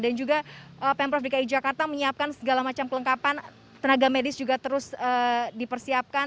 dan juga pemprov dki jakarta menyiapkan segala macam kelengkapan tenaga medis juga terus dipersiapkan